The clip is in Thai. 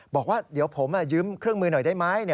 บอกว่าเดี๋ยวผมยืมเครื่องมือหน่อยได้ไหม